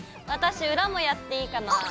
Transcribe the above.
私裏もやっていいかな。